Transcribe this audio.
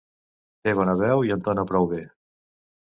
Té bona veu i entona prou bé.